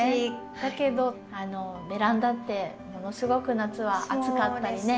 だけどベランダってものすごく夏は暑かったりね。